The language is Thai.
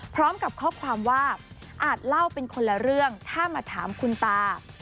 พร้อมกับข้อความว่าอาจเล่าเป็นคนละเรื่องถ้ามาถามคุณตา